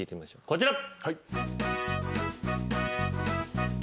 こちら。